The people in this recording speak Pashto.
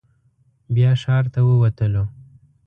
بیا ښار ته ووتلو.